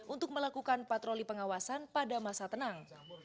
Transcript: untuk melakukan patroli pengawasan pada masa tenang